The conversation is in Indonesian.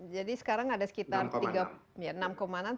jadi sekarang ada sekitar enam enam triliun